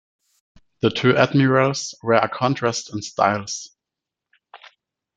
The two admirals were a contrast in styles.